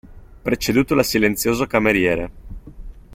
Preceduto dal silenzioso cameriere.